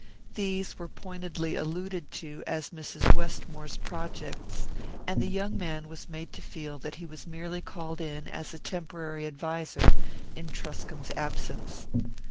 These were pointedly alluded to as Mrs. Westmore's projects, and the young man was made to feel that he was merely called in as a temporary adviser in Truscomb's absence.